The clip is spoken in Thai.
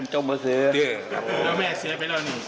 จิตหอดไปมายรับแล้ว